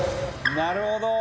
なるほど！